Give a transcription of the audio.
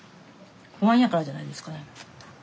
不安やからじゃないですかね。